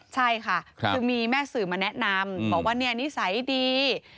ใช่ค่ะคือมีแม่สื่อมาแนะนำบอกว่านิสัยดี